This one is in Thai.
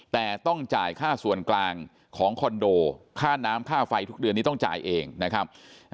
แต่ต้องจ่ายค่าส่วนกลางของคอนโดค่าน้ำค่าไฟทุกเดือนนี้ต้องจ่ายเองนะครับ